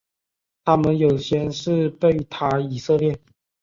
他们有些是贝塔以色列。